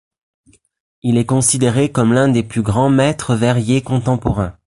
Il est considéré comme l'un des plus grands maître verrier contemporain.